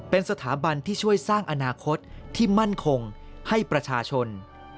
เป็นสถาบันที่ช่วยสร้างอนาคตที่มั่นคงให้ประชาชน